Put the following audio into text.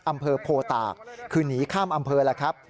อำเภอโพตากคือหนีข้ามอำเภอแล้วครับ